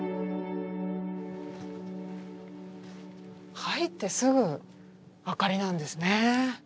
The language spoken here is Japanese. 入ってすぐ「あかり」なんですね。